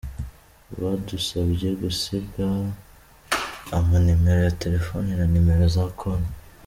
Badusabye gusiga ama nimero ya telefoni, na nimero za konti.